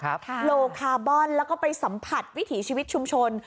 โลคาร์บอนแล้วก็ไปสัมผัสวิถีชีวิตชุมชน